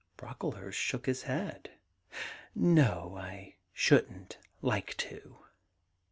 Brocklehurst shook his head. ^No; I shouldn't like to.'